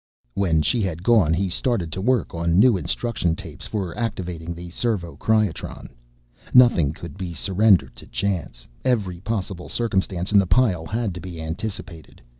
When she had gone he started to work on new instruction tapes for activating the servo cryotron. Nothing could be surrendered to chance. Every possible circumstance in the pile had to be anticipated.